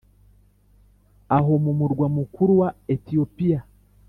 aho mu murwa mukuru wa etiyopiya,